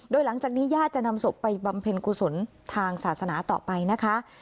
โดยหลังจากนี้ญาติจะนำศพไปบำเพ็ญกุศลทางศาสนาต่อไปนะคะ